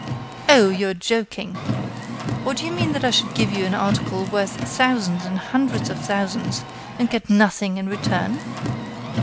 "Oh! you are joking! Or do you mean that I should give you an article worth thousands and hundreds of thousands and get nothing in return?"